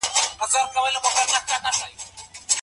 د اسلام دین د ټولني اصلاح کوی.